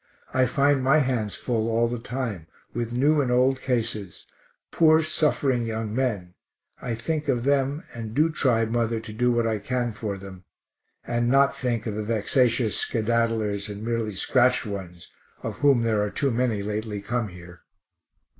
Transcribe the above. I find my hands full all the time, with new and old cases poor suffering young men, I think of them, and do try, mother, to do what I can for them, (and not think of the vexatious skedaddlers and merely scratched ones, of whom there are too many lately come here).